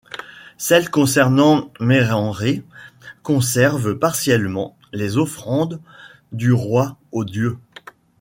Celles concernant Mérenrê conservent partiellement les offrandes du roi aux dieux.